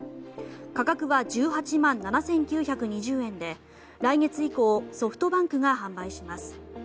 価格は１８万７９２０円で来月以降ソフトバンクが販売します。